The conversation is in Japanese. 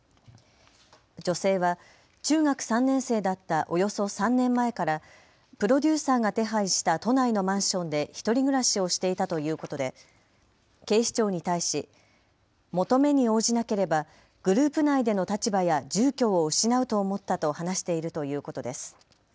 女性は中学３年生だったおよそ３年前からプロデューサーが手配した都内のマンションで１人暮らしをしていたということで警視庁に対し求めに応じなければグループ内での立場や住居を失うと思ったと話しているということです。